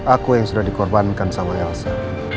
aku yang sudah dikorbankan sama elsa